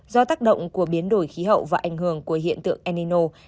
do tác động của biến đổi khí hậu và ảnh hưởng của hiện tượng enino